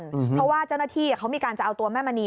เพราะว่าเจ้าหน้าที่เขามีการจะเอาตัวแม่มณี